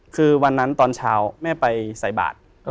คือวันนั้นตอนเช้าแม่ไปใส่บาท